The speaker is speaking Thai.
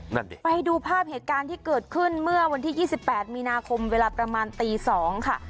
นั่นดิไปดูภาพเหตุการณ์ที่เกิดขึ้นเมื่อวันที่ยี่สิบแปดมีนาคมเวลาประมาณตีสองค่ะ